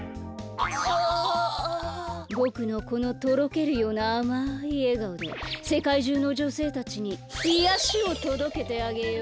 ぼくのこのとろけるようなあまいえがおでせかいじゅうのじょせいたちにいやしをとどけてあげよう。